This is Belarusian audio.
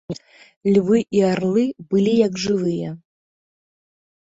Львы і арлы былі, як жывыя.